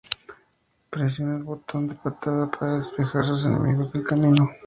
Presione el botón de patada para despejar a sus enemigos del camino.